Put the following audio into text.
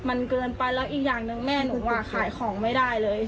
มันเกินไปแล้วอีกอย่างหนึ่งแม่หนูขายของไม่ได้เลย